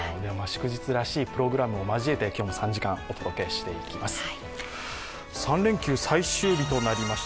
祝日らしいプログラムを交えて、今日も３時間、お届けしてまいります。